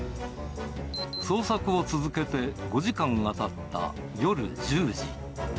捜索を続けて５時間がたった夜１０時。